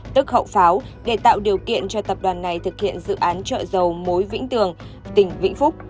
tức hậu pháo để tạo điều kiện cho tập đoàn này thực hiện dự án chợ đầu mối vĩnh tường tỉnh vĩnh phúc